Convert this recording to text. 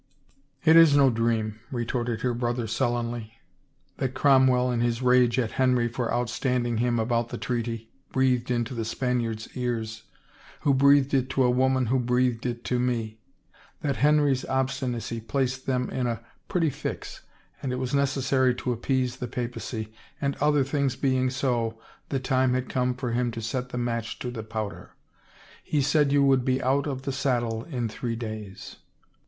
It is no dream," retorted her brother sullenly, " that Cromwell in his rage at Henry for outstanding him about the treaty, breathed into the Spaniard's ears — who breathed it to a woman who breathed it to me !— that Henry's obstinacy placed them in a pretty fix and it was necessary to appease the Papacy, and other things being so, the time had come for him to set the match to the powder. He said you would be out of the saddle in three days."